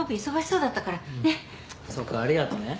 そっかありがとね。